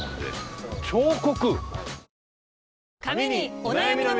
彫刻？